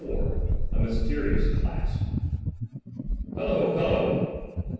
XXIV A MYSTERIOUS CLASP "Hullo! Hullo!"